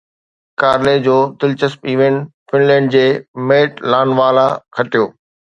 Carly جو دلچسپ event Finland جي ميٽ لاتوالا کٽيو